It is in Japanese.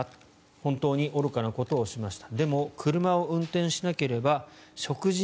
本当に愚かなことをしました